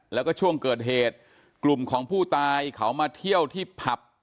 แล้วก็ช่วงเกิดเหตุกลุ่มของผู้ตายเขามาเที่ยวที่ผับ